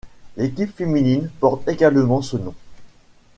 L'équipe féminine porte également ce nom.